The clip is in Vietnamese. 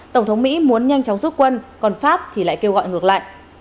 tổng thống mỹ muốn nhanh chóng rút quân còn pháp thì lại kêu gọi ngược lại